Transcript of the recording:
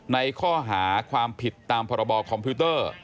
ในข้อหาความผิดตามพรบคอมพิวเตอร์